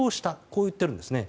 こう言っているんですね。